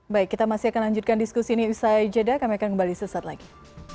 baik kita masih akan lanjutkan diskusi ini usai jeda kami akan kembali sesaat lagi